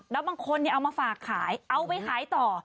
แล้วบางคนเอามาฝากขายเอาไปขายต่อ